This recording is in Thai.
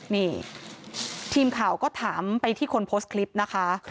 นี่ทีมข่าวก็ถามไปที่คนโพสต์คลิปนะคะ